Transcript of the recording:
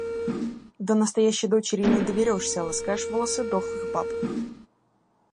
До настоящей дочери и не доберешься, а ласкаешь волосы дохлых баб.